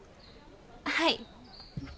はい。